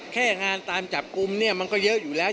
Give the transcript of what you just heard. แค่งานตามจับกุมมันก็เยอะอยู่แล้ว